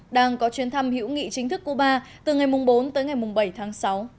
đang có chuyến thăm hữu nghị chính thức cuba từ ngày bốn tới ngày bảy tháng sáu